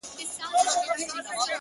ښكلي چي گوري، دا بيا خوره سي.